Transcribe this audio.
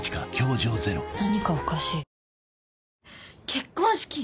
結婚式！？